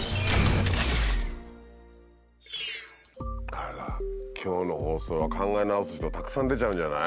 あら今日の放送は考え直す人たくさん出ちゃうんじゃない？